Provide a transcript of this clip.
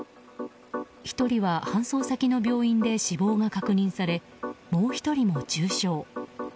１人は搬送先の病院で死亡が確認されもう１人も重傷。